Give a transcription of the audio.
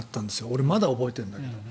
俺、まだ覚えてるんだけど。